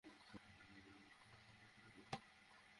অভিযোগের শাস্তির মাত্রা যদি এমন হয়, তাহলে অপরাধ কোনো দিন কমবে না।